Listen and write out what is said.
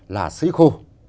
là sấy khô